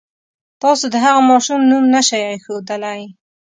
تاسو د هغه ماشوم نوم نه شئ اېښودلی.